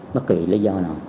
bất kỳ lý do nào